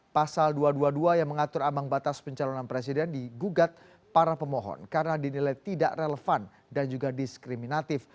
pasal dua ratus dua puluh dua yang mengatur ambang batas pencalonan presiden digugat para pemohon karena dinilai tidak relevan dan juga diskriminatif